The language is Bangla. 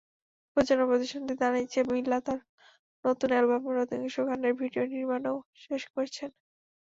প্রযোজনা প্রতিষ্ঠানটি জানিয়েছে, মিলা তাঁর নতুন অ্যালবামের অধিকাংশ গানের ভিডিও নির্মাণও শেষ করেছেন।